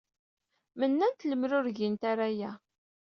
Mennant lemmer ur gint ara aya.